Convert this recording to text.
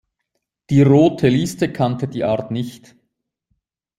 Die „Rote Liste“ kannte die Art nicht.